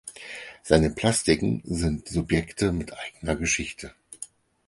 Seine Plastiken sind Subjekte mit eigener Geschichte.